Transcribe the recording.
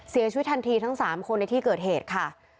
เสียชีวิตทันทีทั้ง๓คนในที่เกิดเหตุค่ะ